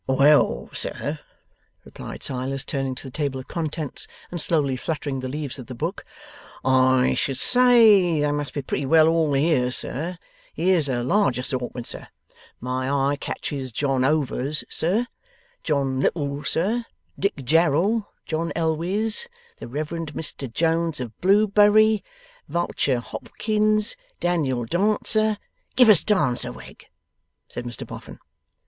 'Well, sir,' replied Silas, turning to the table of contents and slowly fluttering the leaves of the book, 'I should say they must be pretty well all here, sir; here's a large assortment, sir; my eye catches John Overs, sir, John Little, sir, Dick Jarrel, John Elwes, the Reverend Mr Jones of Blewbury, Vulture Hopkins, Daniel Dancer ' 'Give us Dancer, Wegg,' said Mr Boffin.